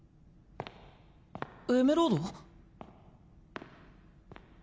エメロード？